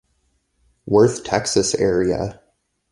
Worth, Texas area.